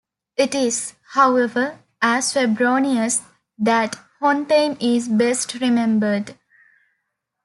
It is, however, as Febronius that Hontheim is best remembered.